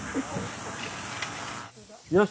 よし！